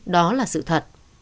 đó là sự thật